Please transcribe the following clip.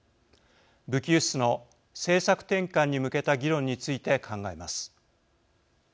武器輸出の政策転換に向けた議論について考えます。